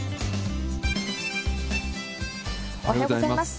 おはようございます。